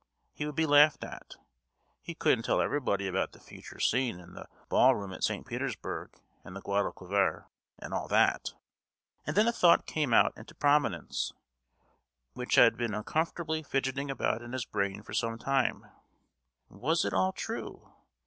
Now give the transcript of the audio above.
He would be laughed at. He couldn't tell everybody about the future scene in the ball room at St. Petersburg, and the Guadalquiver, and all that! And then a thought came out into prominence, which had been uncomfortably fidgeting about in his brain for some time: "Was it all true?